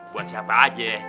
buat siapa aja